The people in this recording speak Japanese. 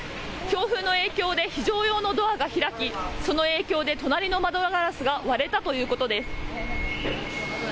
強風の影響で非常用のドアが開きその影響で隣の窓ガラスが割れたということです。